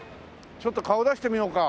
ちょっと顔出してみようか。